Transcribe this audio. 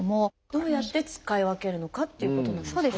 どうやって使い分けるのかっていうことなんですけれども。